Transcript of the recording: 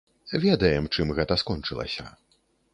Ведаем, чым гэта скончылася.